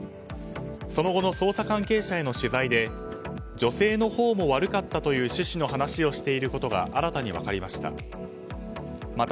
その後の捜査関係者への取材で女性のほうも悪かったという趣旨の話をしていることが新たに分かりました。